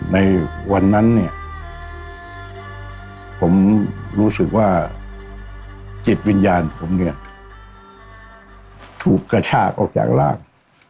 ในวันนั้นเนี่ยผมรู้สึกว่าจิตวิญญาณผมเนี่ยถูกกระชากออกจากร่าง